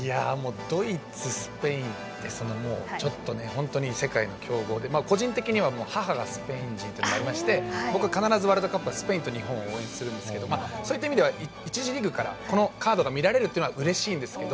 ドイツ、スペインって世界の強豪で個人的には母がスペイン人で僕は必ずワールドカップはスペインと日本を応援しますがそういった意味では１次リーグから、このカードが見られるというのはうれしいです。